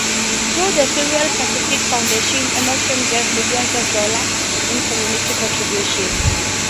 Through the Sierra Pacific Foundation, Emmerson gave millions of dollars in community contributions.